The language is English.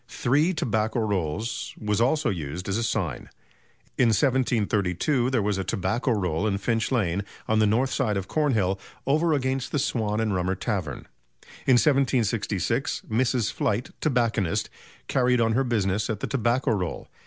"Three Tobacco Rolls" was also used as a sign. In 1732 there was a "Tobacco Roll" in Finch Lane, on the north side of Cornhill, "over against the Swan and Rummer Tavern." In 1766, Mrs. Flight, tobacconist, carried on her business at the "Tobacco Roll.